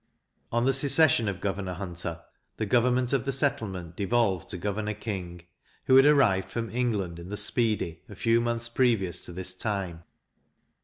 On the secession of Governor Hunter, the government of the settlement devolved to Governor King, who had arrived from England in the Speedy, a few months previous to this time.